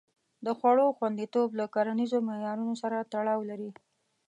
د خوړو خوندیتوب له کرنیزو معیارونو سره تړاو لري.